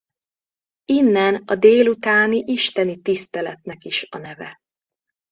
Innen a délutáni isteni tiszteletnek is a neve.